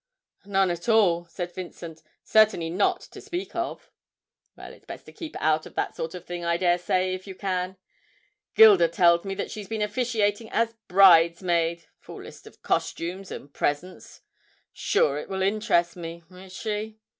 'None at all,' said Vincent; 'certainly not to speak of.' 'Well, it's best to keep out of that sort of thing, I dare say, if you can. Gilda tells me that she's been officiating as bridesmaid full list of costumes and presents "sure it will interest me," is she?